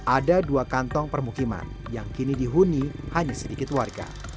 ada dua kantong permukiman yang kini dihuni hanya sedikit warga